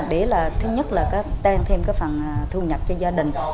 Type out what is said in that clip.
để là thứ nhất là tan thêm cái phần thu nhập cho gia đình